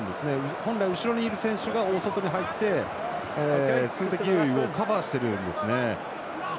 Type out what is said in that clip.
本来、後ろにいる選手が大外に入って数的優位をカバーしてるんですね。